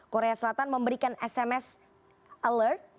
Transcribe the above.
korea selatan memberikan sms alert